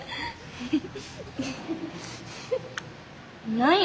何や？